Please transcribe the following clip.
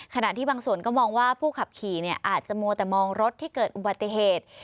ขณะที่บางส่วนก็มองว่าผู้ขับขี่อาจจะมัวแต่มองรถที่เกิดอุบัติเหตุ